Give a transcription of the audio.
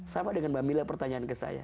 sama dengan mbak mila pertanyaan ke saya